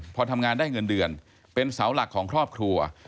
พอทำงานได้เงินเดือนเป็นเสาหลักของครอบครัว